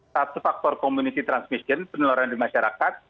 satu faktor komunisi transmisi peneloran di masyarakat